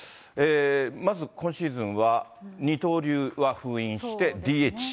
まず今シーズンは、二刀流は封印して、ＤＨ。